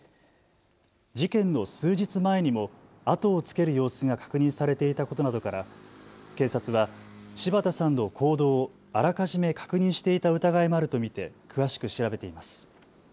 事件の数日前にも後をつける様子が確認されていたことなどから警察は柴田さんの行動をあらかじめ確認していた疑いもあると見て詳しく調べています。